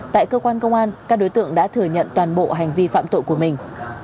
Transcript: tại cơ quan công an các đối tượng đã thừa nhận toàn bộ hành vi phạm tội của mình